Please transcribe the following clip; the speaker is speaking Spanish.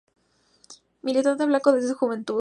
Militante blanco desde su juventud.